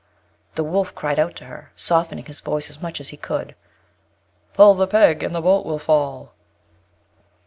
The Wolf cried out to her, softening his voice as much as he could, "Pull the peg, and the bolt will fall."